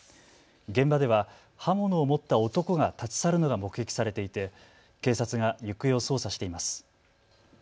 現場では刃物を持った男が立ち去るのが目撃されていて警察が行方を捜査しています。